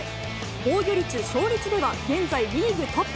防御率、勝率では現在リーグトップ。